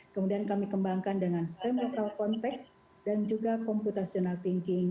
kemudian kami kembangkan dengan stem local contact dan juga computational thinking